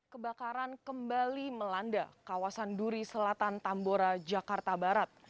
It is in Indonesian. kebakaran kembali melanda kawasan duri selatan tambora jakarta barat